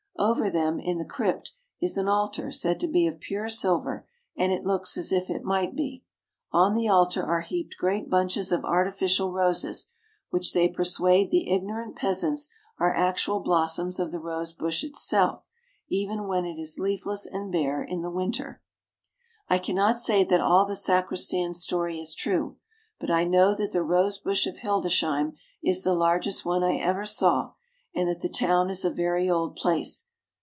Over them, in the crypt, is an altar said to be of pure silver, and it looks as if it might be. On the altar are heaped great bunches of artificial roses, which they persuade the ignorant peasants are actual blossoms of the rose bush itself, even when it is leafless and bare in the winter. I can not say that all the sacristan's story is true, but I know that the rose bush of Hildesheim is the largest one I ever saw, and that the town is a very old place.